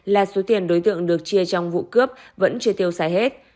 là số tiền đối tượng được chia trong vụ cướp vẫn chưa tiêu xài hết